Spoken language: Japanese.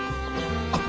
あっ。